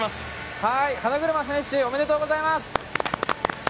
花車選手おめでとうございます！